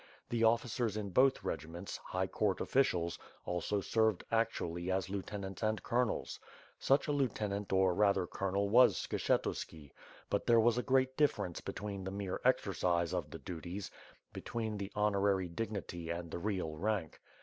The officers in both regiments, high court offi cials, also served actually as lieutenants and colonels. Such a lieutenant or rather colonel was Skshetuski, but there was a great difference between the mere exercise of the duties, be tween the honorary dignity and the real rank.